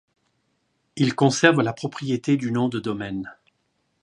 Il conserve la propriété du nom de domaine.